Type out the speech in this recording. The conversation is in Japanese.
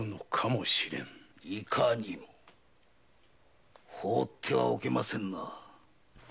いかにもほうってはおけませんな。